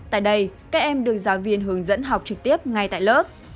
tại đây các em được giáo viên hướng dẫn học trực tiếp ngay tại lớp